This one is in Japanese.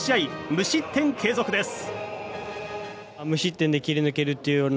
無失点継続です。